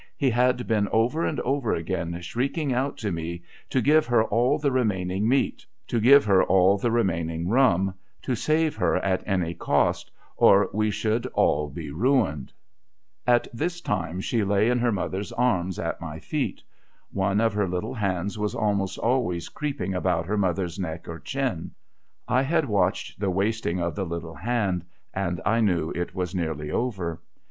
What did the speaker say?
He had been over and over again shrieking out to me to give her all the remaining meat, to give her 132 THE WRFXK OF THE GOLDEN MARY all the remaining rum, to save her at any cost, or we should all be runicd. At this time, she lay in her mother's arms at my feet. One of her little hands was almost always creeping about her mother's neck or chin, I had watched the wasting of the little hand, and I knew it was nearly over.